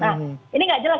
nah ini tidak jelas